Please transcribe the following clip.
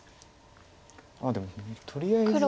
でもとりあえず。